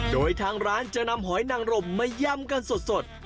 โดยทางร้านจะนำหอยนังรมมายำกันสด